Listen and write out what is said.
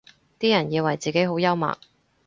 啲人以為自己好幽默